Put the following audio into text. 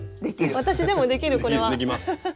私でもできるこれは。できます。